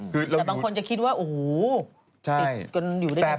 แต่บางคนจะคิดว่าโอ้โหติดกันอยู่ได้ยังไง